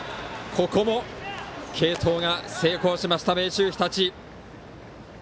ここも継投が成功しました明秀日立。